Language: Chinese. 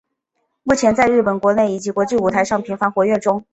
目前在日本国内以及国际舞台上频繁活跃中。